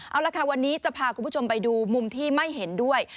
เอาละค่ะวันนี้จะพาคุณผู้ชมไปดูมุมที่ไม่เห็นด้วย